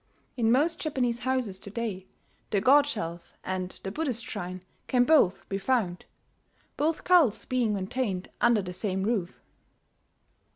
In most Japanese houses to day, the "god shelf" and the Buddhist shrine can both be found; both cults being maintained under the same roof.